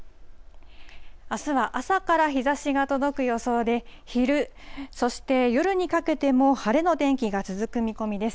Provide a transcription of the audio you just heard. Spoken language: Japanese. あすは朝から日ざしが届く予想で、昼、そして夜にかけても晴れの天気が続く見込みです。